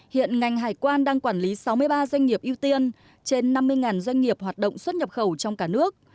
hiện ngành hải quan đang quản lý sáu mươi ba doanh nghiệp ưu tiên trên năm mươi doanh nghiệp hoạt động xuất nhập khẩu trong cả nước